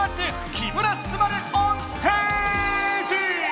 「木村昴オンステージ」！